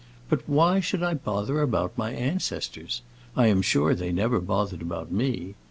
But why should I bother about my ancestors? I am sure they never bothered about me.